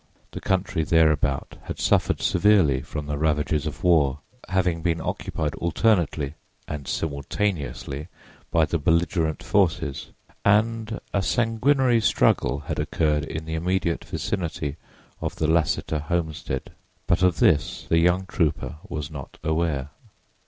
The country thereabout had suffered severely from the ravages of war, having been occupied alternately (and simultaneously) by the belligerent forces, and a sanguinary struggle had occurred in the immediate vicinity of the Lassiter homestead. But of this the young trooper was not aware.